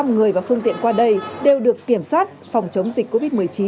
một trăm linh người và phương tiện qua đây đều được kiểm soát phòng chống dịch covid một mươi chín